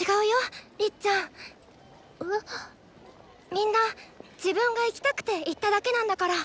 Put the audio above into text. みんな自分が行きたくて行っただけなんだから！